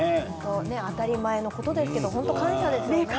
当たり前のことなんですけれども感謝ですね。